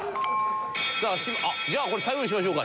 じゃあこれ最後にしましょうか。